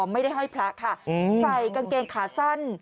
ไม่ได้ห้อยพระค่ะเสร็จกางเกงขาสั้น